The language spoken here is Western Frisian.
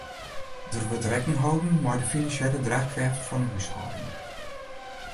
Der wurdt rekken holden mei de finansjele draachkrêft fan 'e húshâlding.